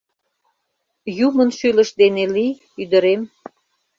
Юмын шӱлыш дене лий, ӱдырем!